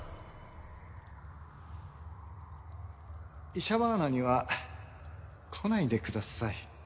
イシャバーナには来ないでください。